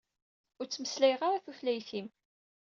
Ur ttmeslayeɣ ara tutlayt-im.